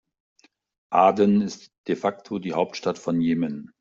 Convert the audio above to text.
Aden ist de facto die Hauptstadt von Jemen.